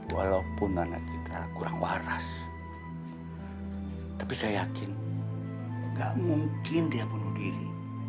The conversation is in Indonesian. walaupun anak kita kurang waras tapi saya yakin gak mungkin dia bunuh diri